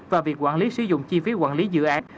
và việc quản lý sử dụng chi phí quản lý dự án